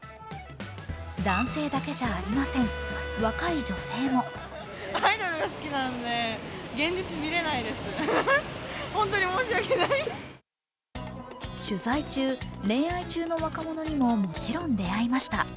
男性だけじゃありません若い女性も取材中、恋愛中の若者にももちろん出会いました。